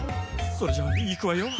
それじゃいくわよ。